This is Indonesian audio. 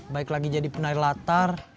baik lagi jadi penari latar